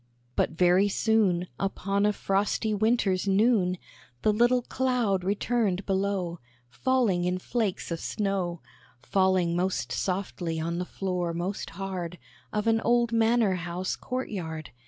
] But very soon, Upon a frosty winter's noon, The little cloud returned below, Falling in flakes of snow; Falling most softly on the floor most hard Of an old manor house court yard.